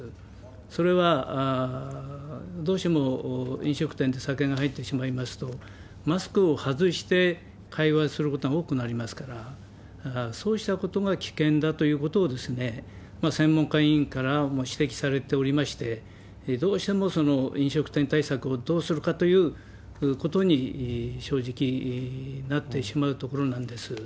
それはどうしても飲食店で酒が入ってしまいますと、マスクを外して会話することが多くなりますから、そうしたことが危険だということを、専門家、委員からも指摘されておりまして、どうしてもその飲食店対策をどうするかということに、正直なってしまうところなんです。